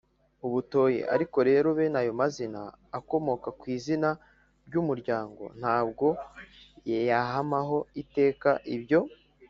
u butoyi. ariko rero bene ayo mazina akomoka kw’izina ry’umuryango, ntabwo yahamaho iteka, ibyo